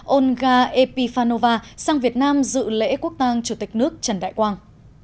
olga epifanova sang việt nam dự lễ quốc tàng chủ tịch nước trần đại quang